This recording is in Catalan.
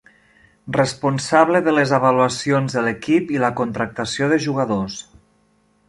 Responsable de les avaluacions de l'equip i la contractació de jugadors.